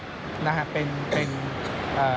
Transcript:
เป็นอย่างไรนั้นติดตามจากรายงานของคุณอัญชาฬีฟรีมั่วครับ